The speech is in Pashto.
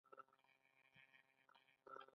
میخانیکي ژباړه د ژبې اصلي جوړښت خرابوي.